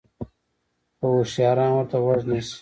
خو هوشیاران ورته غوږ نیسي.